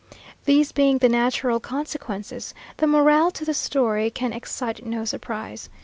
This being the natural consequence, the morale to the story can excite no surprise.